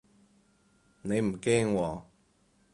你唔驚喎